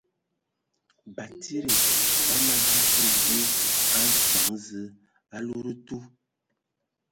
Batsidi a mana hm sɔ dzyē a nsəŋ Zǝə a ludǝtu.